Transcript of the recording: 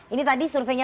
ini tadi surveinya